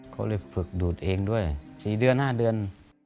เขาเลยฝึกดูดเองด้วย๔เดือน๕เดือน